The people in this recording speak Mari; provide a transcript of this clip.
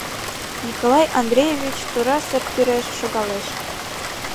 Николай Андреевич тура сер тӱреш шогалеш.